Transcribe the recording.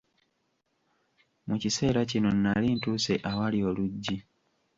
Mu kisera kino, nnali ntuuse awali oluggi.